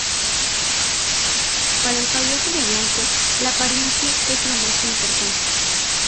Para el payaso de blanco, la apariencia es lo más importante.